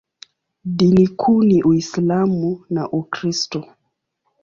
Dini kuu ni Uislamu na Ukristo.